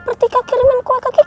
bertiga kirimin kue ke kiki